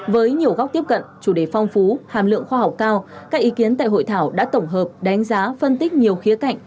với nhiều góc tiếp cận chủ đề phong phú hàm lượng khoa học cao các ý kiến tại hội thảo đã tổng hợp đánh giá phân tích nhiều khía cạnh